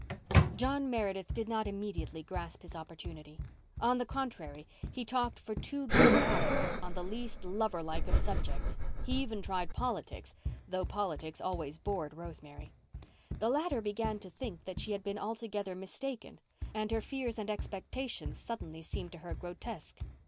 John Meredith did not immediately grasp his opportunity. On the contrary, he talked for two good hours on the least lover like of subjects. He even tried politics, though politics always bored Rosemary. The later began to think that she had been altogether mistaken, and her fears and expectations suddenly seemed to her grotesque.